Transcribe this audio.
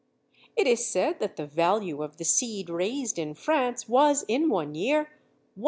It is said that the value of the seed raised in France was in one year £170,000.